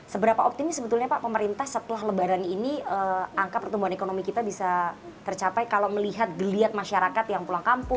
seberapa optimis sebetulnya pak pemerintah setelah lebaran ini angka pertumbuhan ekonomi kita bisa tercapai kalau melihat geliat masyarakat yang pulang kampung